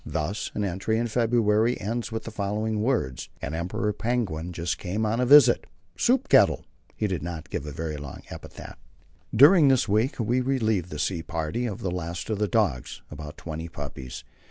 Thus an entry in February ends with the following words: "An Emperor penguin just come on a visit soup kettle." He did not get a very long epitaph. During this week we relieved the sea party of the last of the dogs about twenty puppies.